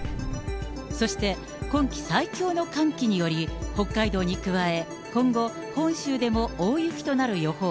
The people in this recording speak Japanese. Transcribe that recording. そして、今季最強の寒気により、北海道に加え、今後、本州でも大雪となる予報。